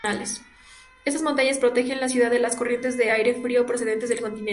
Estas montañas protegen la ciudad de las corrientes de aire frío procedentes del continente.